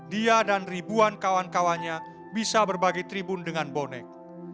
dia dan ribuan kawan kawannya bisa berbagi tribun dengan bonek